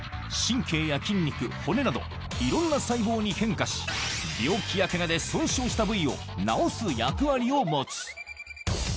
神経や筋肉、骨など、いろんな細胞に変化し、病気やけがで損傷した部位を治す役割を持つ。